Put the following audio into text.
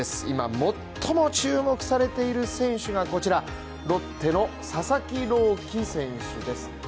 今最も注目されている選手がこちら、ロッテの佐々木朗希選手です。